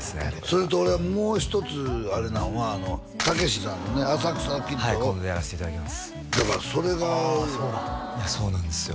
それと俺もう一つあれなんはたけしさんのね「浅草キッド」をはい今度やらせていただきますだからそれがそうなんですよ